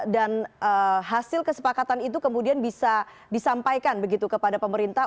dan hasil kesepakatan itu kemudian bisa disampaikan begitu kepada pemerintah